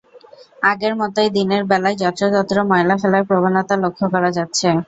আগের মতোই দিনের বেলায় যত্রতত্র ময়লা ফেলার প্রবণতা লক্ষ করা যাচ্ছে।